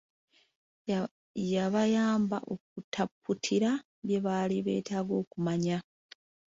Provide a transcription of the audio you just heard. Yabayamba okutaputira bye baali beetaaga okumanya.